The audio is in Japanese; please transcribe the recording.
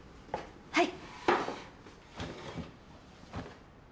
はい。